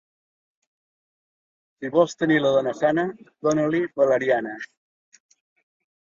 Si vols tenir la dona sana, dona-li valeriana.